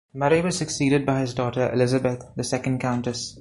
Murray was succeeded by his daughter, Elizabeth, the second Countess.